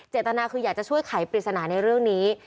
ตนาคืออยากจะช่วยไขปริศนาในเรื่องนี้